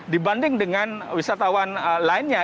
dibanding dengan wisatawan lainnya